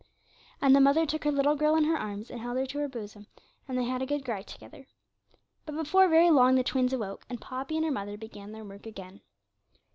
And the mother took her little girl in her arms, and held her to her bosom, and they had a good cry together. But before very long the twins awoke, and Poppy and her mother began their work again.